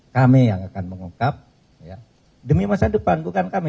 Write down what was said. kami yang akan mengungkap demi masa depan bukan kami